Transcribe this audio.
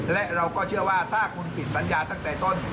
และเราก็เชื่อว่าถ้าคุณผิดสัญญาตั้งแต่ต้น